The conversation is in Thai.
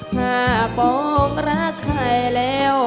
ถ้าปองรักใครแล้ว